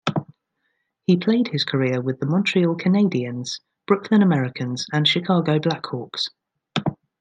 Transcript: He played his career with the Montreal Canadiens, Brooklyn Americans, and Chicago Black Hawks.